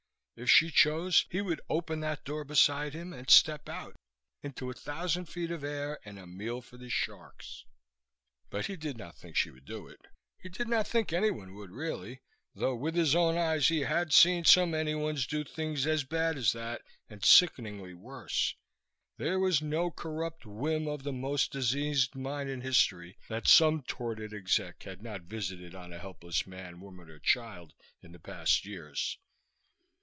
If she chose, he would open that door beside him and step out into a thousand feet of air and a meal for the sharks. But he did not think she would do it. He did not think anyone would, really, though with his own eyes he had seen some anyones do things as bad as that and sickeningly worse. There was no corrupt whim of the most diseased mind in history that some torpid exec had not visited on a helpless man, woman or child in the past years.